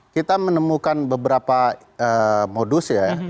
kita menemukan beberapa modus ya